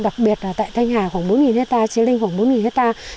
đặc biệt là tại thanh hà khoảng bốn hectare chiếm linh khoảng bốn hectare